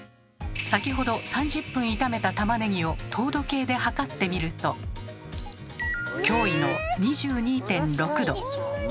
先ほど３０分炒めたたまねぎを糖度計で測ってみると驚異の２２．６度。